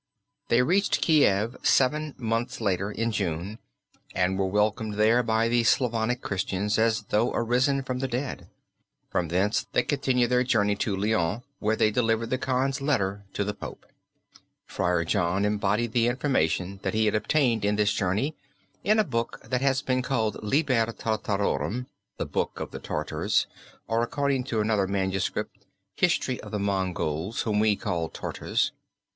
They reached Kiev seven months later, in June, and were welcomed there by the Slavonic Christians as though arisen from the dead. From thence they continued their journey to Lyons where they delivered the Khan's letter to the Pope. Friar John embodied the information that he had obtained in this journey in a book that has been called Liber Tartarorum (the Book of the Tartars or according to another manuscript, History of the Mongols whom we call Tartars).